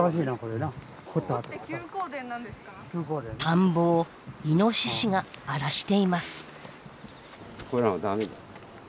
田んぼをイノシシが荒らしています。